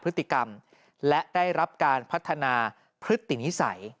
พฤติกรรมและได้รับการพัฒนาพฤตินิสัย